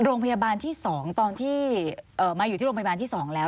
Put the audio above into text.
โรงพยาบาลที่๒ตอนที่มาอยู่ที่โรงพยาบาลที่๒แล้ว